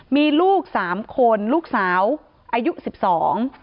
มีลูกสามคนลูกสาวอายุสิบสอง